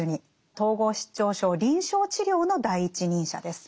統合失調症臨床治療の第一人者です。